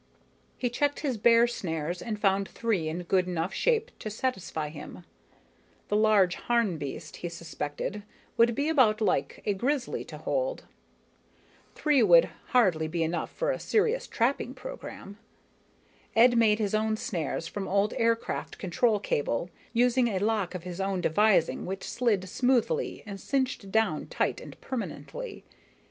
He checked his bear snares and found three in good enough shape to satisfy him the large Harn beast, he suspected, would be about like a grizzly to hold. Three would hardly be enough for a serious trapping program. Ed made his own snares from old aircraft control cable, using a lock of his own devising which slid smoothly and cinched down tight and permanently.